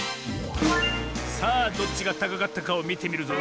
さあどっちがたかかったかをみてみるぞ。